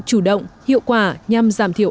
chủ động hiệu quả nhằm giảm thiểu